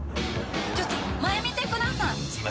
ちょっと前見てください。